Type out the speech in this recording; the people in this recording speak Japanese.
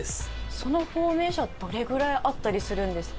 そのフォーメーションってどれぐらいあったりするんですか？